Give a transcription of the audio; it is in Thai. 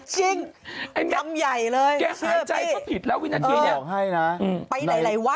จริงคำใหญ่เลย